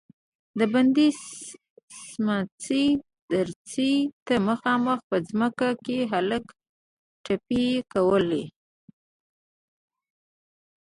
د بندې سمڅې دريڅې ته مخامخ په ځنګله کې هلک ټپې کولې.